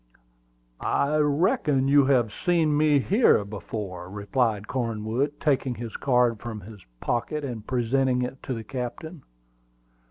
"I reckon you have seen me here before," replied Cornwood, taking his card from his pocket and presenting it to the captain.